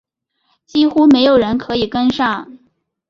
几乎没有人可以跟上